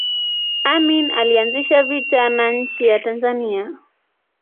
amin alianzisha vita na nchi ya tanzania